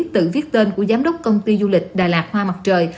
tự viết tên của giám đốc công ty du lịch đà lạt hoa mặt trời